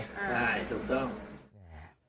ใช่ถูกต้อง